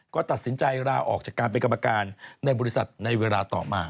ก็ตัดสินใจลาออกจากการเป็นกรรมการในบริษัทในเวลาต่อมา